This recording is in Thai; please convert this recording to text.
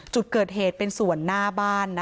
จุดเกิดเหตุเป็นส่วนหน้าบ้าน